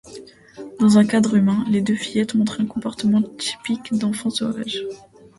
Dans un cadre humain, les deux fillettes montrent un comportement typique d'enfants sauvages.